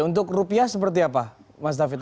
untuk rupiah seperti apa mas david